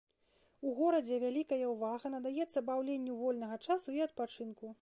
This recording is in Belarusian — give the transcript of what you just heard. У горадзе вялікая ўвага надаецца баўленню вольнага часу і адпачынку.